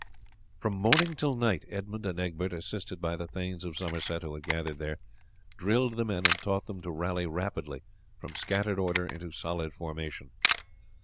From morning till night Edmund and Egbert, assisted by the thanes of Somerset who had gathered there, drilled the men and taught them to rally rapidly from scattered order into solid formation.